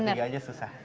bertiga aja susah